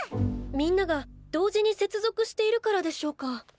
みんなが同時に接続しているからでしょうか。